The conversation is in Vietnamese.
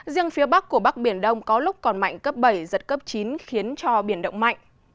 riêng phía bắc của bắc biển đông có lúc còn mạnh cấp bảy giật cấp chín khiến cho biển động mạnh